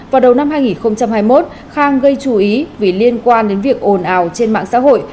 vào đầu năm hai nghìn hai mươi một khang gây chú ý vì liên quan đến việc ồn ào trên mạng xã hội